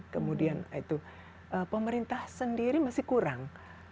kemudian itu pemerintah sendiri masih kurang